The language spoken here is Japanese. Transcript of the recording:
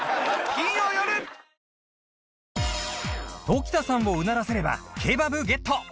常田さんをうならせればケバブゲット